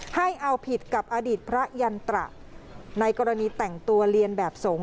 ให้เอาผิดกับอดีตพระยันตระในกรณีแต่งตัวเรียนแบบสงฆ